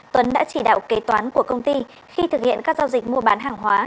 tuấn đã chỉ đạo kế toán của công ty khi thực hiện các giao dịch mua bán hàng hóa